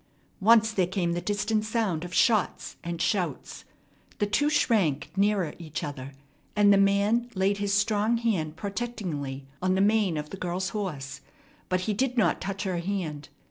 Once there came the distant sound of shots and shouts. The two shrank nearer each other, and the man laid his strong hand protectingly on the mane of the girl's horse; but he did not touch her hand.